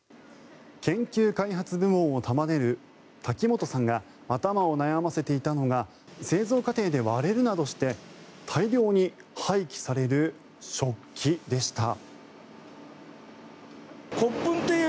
研究開発部門を束ねる滝本さんが頭を悩ませていたのが製造過程で割れるなどして大量に廃棄される食器でした。